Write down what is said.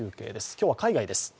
今日は海外です。